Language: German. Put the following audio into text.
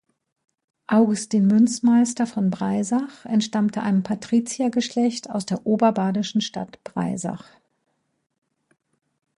Augustin Münzmeister von Breisach entstammte einem Patriziergeschlecht aus der oberbadischen Stadt Breisach.